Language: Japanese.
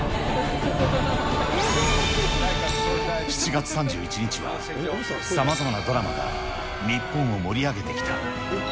７月３１日は、さまざまなドラマが日本を盛り上げてきた。